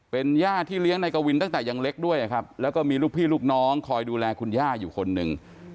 เป็นย่าที่เลี้ยงนายกวินตั้งแต่ยังเล็กด้วยครับแล้วก็มีลูกพี่ลูกน้องคอยดูแลคุณย่าอยู่คนหนึ่ง